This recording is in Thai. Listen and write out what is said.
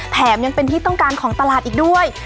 แถมยังเป็นที่ต้องการของตลาดอีกด้วย